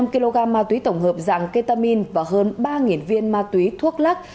năm kg ma túy tổng hợp dạng ketamin và hơn ba viên ma túy thuốc lắc